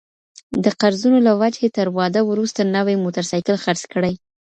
د قرضونو له وجهي تر واده وروسته نوی موټرسايکل خرڅ کړي